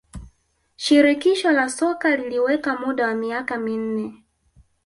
shirikisho la soka liliweka muda wa miaka minne